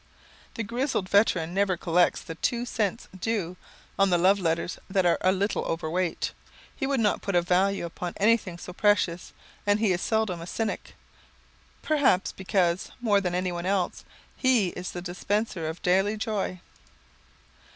The grizzled veteran never collects the "two cents due" on the love letters that are a little overweight. He would not put a value upon anything so precious, and he is seldom a cynic perhaps because, more than anyone else, he is the dispenser of daily joy.